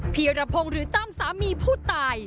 เพียรพงษ์หรือตามสามีผู้ตาย